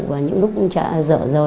và những lúc trả dỡ